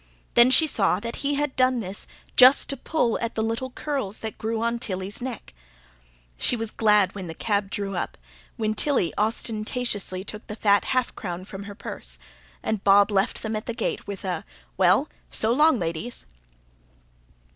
Then she saw that he had done this just to pull at the little curls that grew on Tilly's neck. She was glad when the cab drew up, when Tilly ostentatiously took the fat half crown from her purse, and Bob left them at the gate with a: "Well, so long, ladies!"